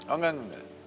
oh enggak enggak